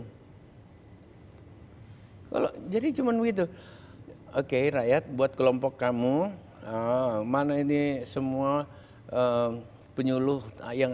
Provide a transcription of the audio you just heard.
hai kalau jadi cuman gitu oke rakyat buat kelompok kamu mana ini semua penyuluh yang